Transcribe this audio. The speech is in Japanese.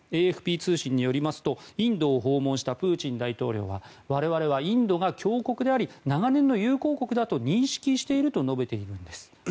ＡＦＰ通信によりますとインドを訪問したプーチン大統領は我々はインドが強国であり長年の友好国だと認識していると述べているんです。